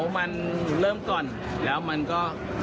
เมื่อเมื่อเมื่อ